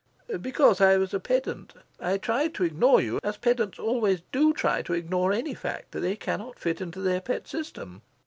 "Because I was a pedant. I tried to ignore you, as pedants always do try to ignore any fact they cannot fit into their pet system.